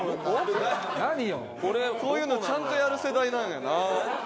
こういうのちゃんとやる世代なんやな。